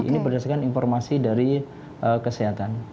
ini berdasarkan informasi dari kesehatan